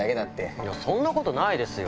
いや、そんなことないですよ。